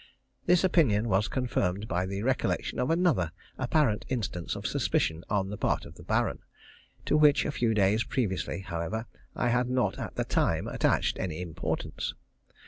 This opinion was confirmed by the recollection of another apparent instance of suspicion on the part of the Baron, to which, a few days previously, however, I had not at the time attached any importance.